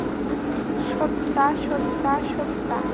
Satya, Satya, Satya!